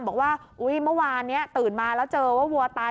บอกว่าเมื่อวานนี้ตื่นมาแล้วเจอว่าวัวตาย